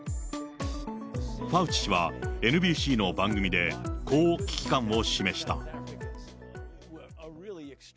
ファウチ氏は、ＮＢＣの番組で、こう危機感を示した。